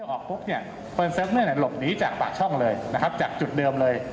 ออกปุ๊บเนี่ยลบหนีจากปากช่องเลยนะครับจากจุดเดิมเลย